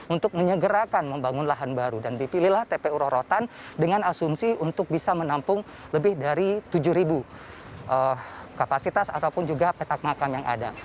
untuk menyegerakan membangun lahan baru dan dipilihlah tpu rorotan dengan asumsi untuk bisa menampung lebih dari tujuh kapasitas ataupun juga petak makam yang ada